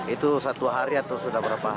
itu satu hari atau sudah berapa hari